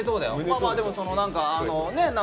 まあまあでもその何か。